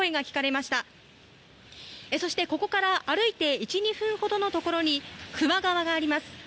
そして、ここから歩いて１２分のところに球磨川があります。